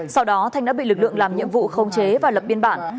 sau đó thanh đã bị lực lượng làm nhiệm vụ khống chế và lập biên bản